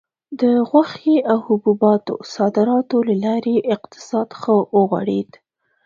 د غوښې او حبوباتو صادراتو له لارې اقتصاد ښه وغوړېد.